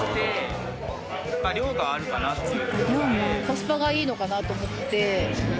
コスパがいいのかなと思って。